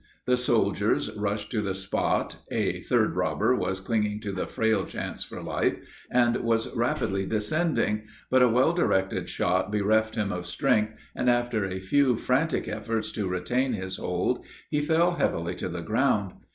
The soldiers rushed to the spot a third robber was clinging to the frail chance for life, and was rapidly descending, but a well directed shot bereft him of strength, and, after a few frantic efforts to retain his hold, he fell heavily to the ground.